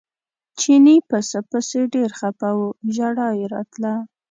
چیني پسه پسې ډېر خپه و ژړا یې راتله.